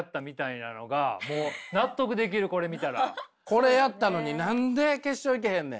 これやったのに何で決勝行けへんねん？